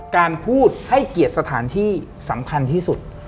การพูดให้เกียรติสถานที่สำคัญที่สุด